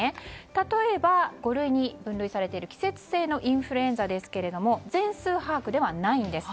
例えば、五類に分類されている季節性インフルエンザですけども全数把握ではないんです。